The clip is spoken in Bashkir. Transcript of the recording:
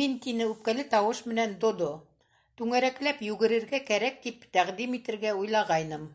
—Мин, —тине үпкәле тауыш менән Додо, —түңәрәкләп йүгерергә кәрәк тип тәҡдим итергә уйлағайным.